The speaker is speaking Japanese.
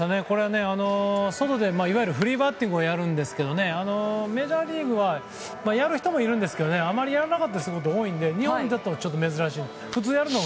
外でいわゆるフリーバッティングをやるんですけどメジャーリーグはやる人もいるんですけどあまりやらなかったりすることが多いので日本だと珍しい。